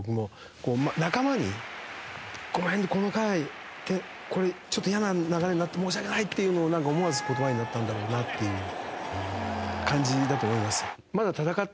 この回ちょっとイヤな流れになって申し訳ない」っていうのを思わず言葉になったんだろうなっていう感じだと思います。